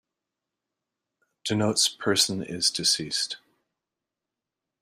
Denotes person is deceased.